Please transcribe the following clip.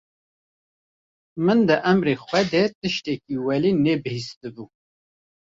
Min di emirê xwe de tiştekî welê ne bihîsti bû.